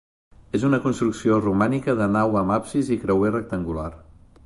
És una construcció romànica de nau amb absis i creuer rectangular.